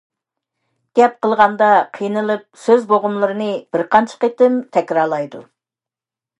گەپ قىلغاندا قىينىلىپ سۆز بوغۇملىرىنى بىر قانچە قېتىم تەكرارلايدۇ.